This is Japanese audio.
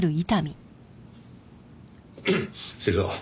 芹沢。